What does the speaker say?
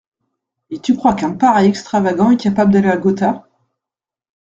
Et tu crois qu’un pareil extravagant est capable d’aller à Gotha !